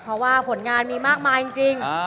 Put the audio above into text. เพราะว่าผลงานมีมากมายจริง